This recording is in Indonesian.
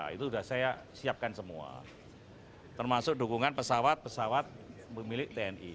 itu sudah saya siapkan semua termasuk dukungan pesawat pesawat milik tni